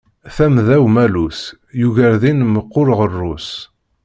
Tamda umalus yugar din mkul ɣerrus.